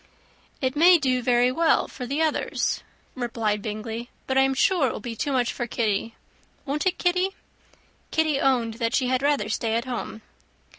"It may do very well for the others," replied Mr. Bingley; "but I am sure it will be too much for Kitty. Won't it, Kitty?" Kitty owned that she had rather stay at home.